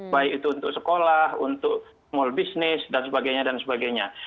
baik itu untuk sekolah untuk mall bisnis dan sebagainya dan sebagainya